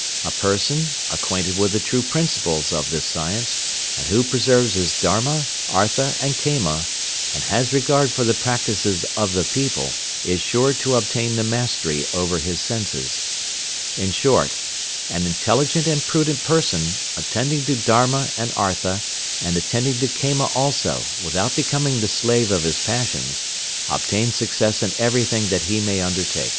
A person, acquainted with the true principles of this science, and who preserves his Dharma, Artha, and Kama, and has regard for the practices of the people, is sure to obtain the mastery over his senses." "In short, an intelligent and prudent person, attending to Dharma and Artha, and attending to Kama also, without becoming the slave of his passions, obtains success in everything that he may undertake."